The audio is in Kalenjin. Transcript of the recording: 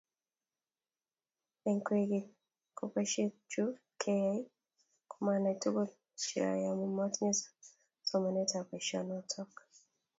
Eng kwekeny ko boisionichu keyaei komanai tuguk cheyoei amu motinye somanetab boisionoto